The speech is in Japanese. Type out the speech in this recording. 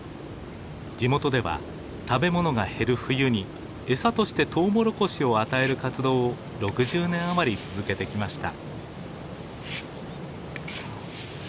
地元では食べ物が減る冬に餌としてトウモロコシを与える活動を６０年余り続けてきました。